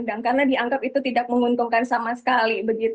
dan karena dianggap itu tidak menguntungkan sama sekali